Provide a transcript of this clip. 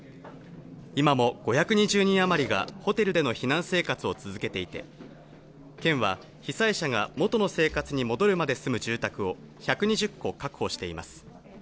今も５２０人あまりがホテルでの避難生活を続けていて県は被災者が元の生活に戻るまで住む住宅を１２０戸確保しています。